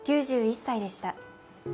９１歳でした。